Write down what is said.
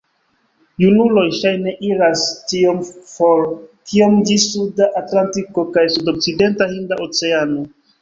Junuloj ŝajne iras tiom for kiom ĝis suda Atlantiko kaj sudokcidenta Hinda Oceano.